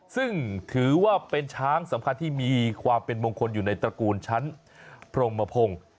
ซึ่งถือว่าเป็นช้างสำคัญที่มีความเป็นมงคลอยู่ในตระกูลชั้นพรมพงศ์